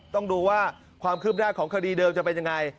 ต้องดูว่าความคืบหน้าของคดีเดิมจะเป็นยังไง